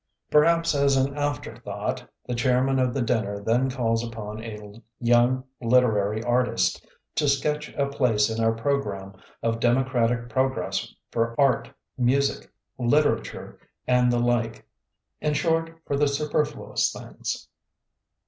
Perhaps as an after thought, the chairman of the dinner then calls upon a young literary artist "to sketch a place in our progranmie of democratic progress for art, music, literature, and the like — in short, for the superfluous things".